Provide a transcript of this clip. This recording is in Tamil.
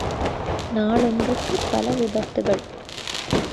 நாளொன்றுக்குப் பல விபத்துக்கள்!